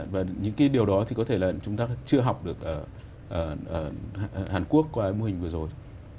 và những cái điều đó thì có thể là chúng ta chưa học được hàn quốc qua mô hình vừa rồi